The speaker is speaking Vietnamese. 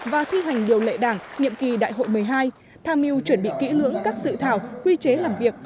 và thi hành điều lệ đảng nhiệm kỳ đại hội một mươi hai tham mưu chuẩn bị kỹ lưỡng các sự thảo quy chế làm việc